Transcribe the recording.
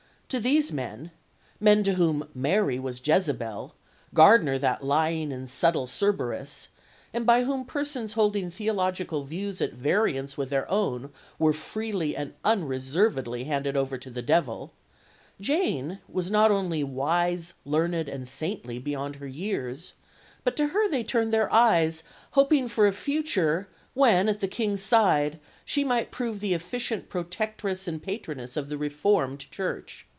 To these men men to whom Mary was Jezebel, Gardiner that lying and subtle Cerberus, and by whom persons holding theological views at variance with their own were freely and unreservedly handed over to the devil Jane was not only wise, learned, and saintly beyond her years, but to her they turned their eyes, hoping for a future when, at the King's side, she might prove the efficient protectress and patroness of the reformed Church.